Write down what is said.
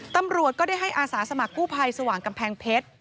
ตำรวจก็ได้ให้อาสาสมัครกู้ภัยสว่างกำแพงเพชร